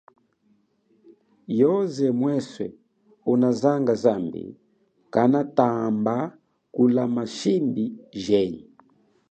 Yoze mweswe unazanga zambi kanatamba kulama shimbi jenyi.